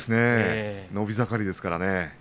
伸び盛りですからね。